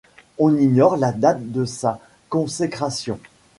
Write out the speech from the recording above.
On ignore la date de sa consécration.